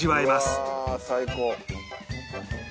うわー最高！